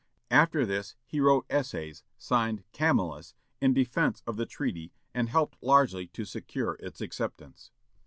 After this he wrote essays, signed "Camillus," in defence of the treaty, and helped largely to secure its acceptance.